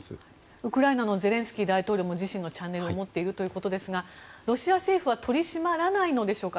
ウクライナのゼレンスキー大統領も自身のチャンネルを持っているということですがロシア政府は取り締まらないのでしょうか。